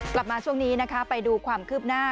กลับมาช่วงนี้นะคะไปดูความคืบหน้า